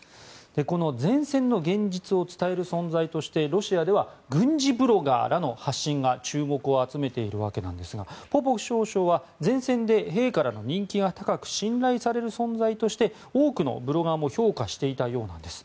この前線の現実を伝える存在としてロシアでは軍事ブロガーらの発信が注目を集めているんですがポポフ少将は前線で兵からの人気が高く信頼される存在として多くのブロガーも評価していたようなんです。